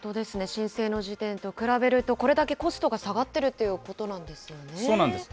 申請の時点と比べると、これだけコストが下がっているということそうなんです。